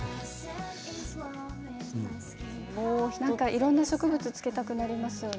いろんな植物をつけたくなりますよね。